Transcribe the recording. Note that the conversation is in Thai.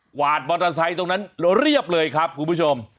วาดมอเตอร์ไซค์ตรงนั้นเรียบเลยครับคุณผู้ชม